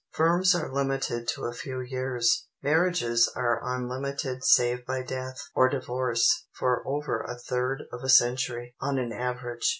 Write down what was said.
Firms are limited to a few years; marriages are unlimited save by death, or divorce, for over a third of a century, on an average.